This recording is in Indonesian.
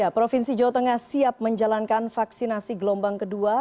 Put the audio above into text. provinsi jawa tengah siap menjalankan vaksinasi gelombang kedua